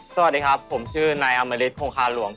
สวัสดีครับผมชื่อนายอำเมฤย์รีดโคงคลาหลวง